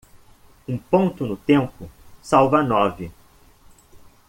Um ponto no tempo salva nove.